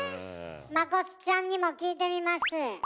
まこっさんにも聞いてみます。